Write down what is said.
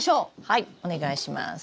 はいお願いします。